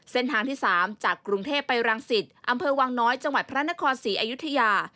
เส้นทางที่๓จากกรุงเทพไปรังสิตอำเภอวังน้อยจังหวัดพระนครศรีอยุธยา